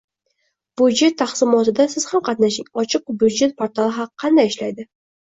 Budjet taqsimotida siz ham qatnashing. “Ochiq budjet” portali qanday ishlaydi?